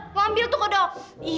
mau ambil tuh kodok